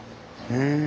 へえ。